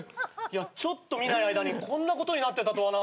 ちょっと見ない間にこんなことになってたとはな。